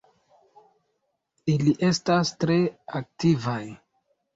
Ili estas tre aktivaj.